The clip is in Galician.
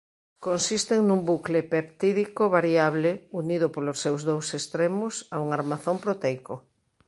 Consisten nun bucle peptídico variable unido polos seus dous extremos a un armazón proteico.